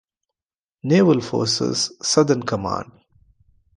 Naval Forces Southern Command.